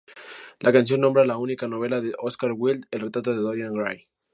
La canción nombra la única novela de Oscar Wilde, El retrato de Dorian Gray.